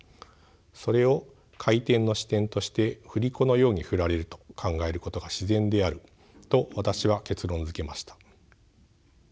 それを回転の支点として振り子のように振られると考えることが自然であると私は結論づけました。